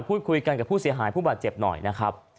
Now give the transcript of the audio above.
พูดคุยกันกับผู้เสียหายผู้บาดเจ็บหน่อยนะครับ